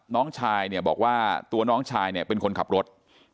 น้องชายบอกว่าตัวน้องชายเป็นคนขับรถ